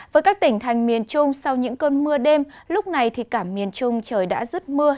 với các tỉnh thành miền trung sau những cơn mưa đêm lúc này thì cả miền trung trời đã rứt mưa